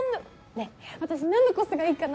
ねっ私何のコスがいいかな？